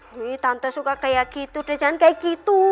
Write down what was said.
di tante suka kayak gitu deh jangan kayak gitu